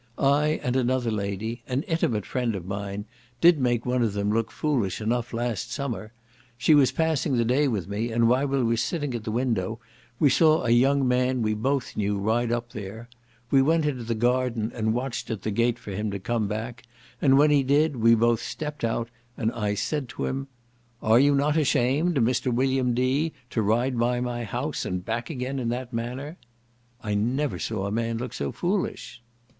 I and another lady, an intimate friend of mine, did make one of them look foolish enough last summer: she was passing the day with me, and, while we were sitting at the window, we saw a young man we both knew ride up there, we went into the garden and watched at the gate for him to come back, and when he did, we both stepped out, and I said to him, "are you not ashamed, Mr. William D., to ride by my house and back again in that manner?" I never saw a man look so foolish!"